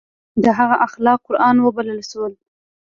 د هغه اخلاق قرآن وبلل شول.